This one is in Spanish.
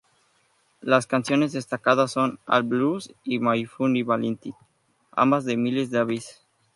Las canciones destacadas son "All Blues" y "My Funny Valentine", ambas de Miles Davis.